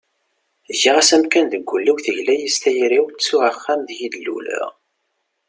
giɣ-as amkan deg ul-iw, tegla-yi s tayri-w, ttuɣ axxam deg i d-luleɣ